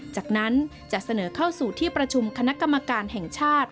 จากนั้นจะเสนอเข้าสู่ที่ประชุมคณะกรรมการแห่งชาติ